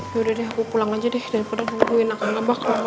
ya udah deh aku pulang aja deh daripada nungguin akang abah kemana mana